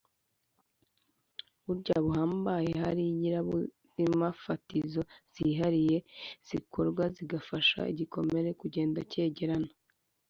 Buryo buhambaye hari ingirabuzimafatizo zihariye zikorwa zigafasha igikomere kugenda cyegerana